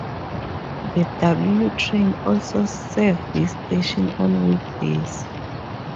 The W train also serves this station on weekdays.